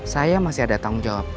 saya masih ada tanggung jawab